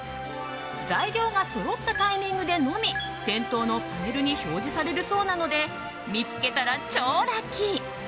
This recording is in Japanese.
材料がそろったタイミングでのみ店頭のパネルに表示されるそうなので見つけたら超ラッキー。